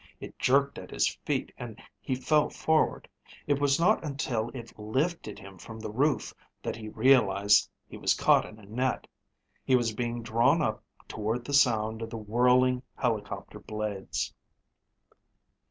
It jerked at his feet and he fell forward. It was not until it lifted him from the roof that he realized he was caught in a net. He was being drawn up toward the sound of the whirling helicopter blades.